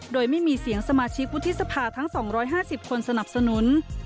โดยไม่มีเสียงสมาชิกวุฒิสภาทั้ง๒๕๐คนสนับสนุน